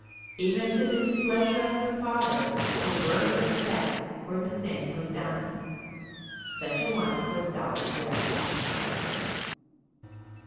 Even to the displeasure of her father the word was said or the thing was done. Such a one was Dolly Grey.